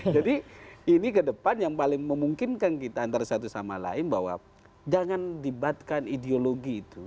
jadi ini ke depan yang paling memungkinkan kita antara satu sama lain bahwa jangan dibatkan ideologi itu